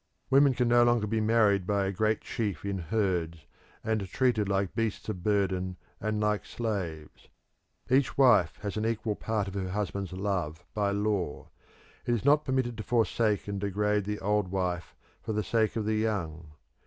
Women can no longer be married by a great chief in herds, and treated like beasts of burden and like slaves. Each wife has an equal part of her husband's love by law; it is not permitted to forsake and degrade the old wife for the sake of the young.